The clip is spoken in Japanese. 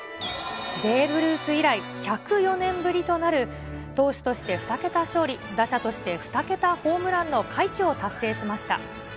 ベーブ・ルース以来１０４年ぶりとなる投手として２桁勝利、打者として２桁ホームランの快挙を達成しました。